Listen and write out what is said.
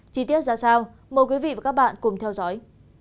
chi tiết ra sao mời quý vị và các bạn cùng theo dõi